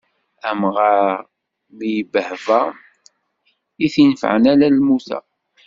Amɣar mi ibbehba, i t-inefɛen ala lmuta.